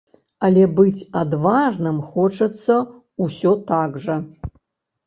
Але быць адважным хочацца ўсё так жа.